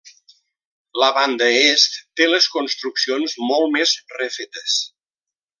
La banda est té les construccions molt més refetes.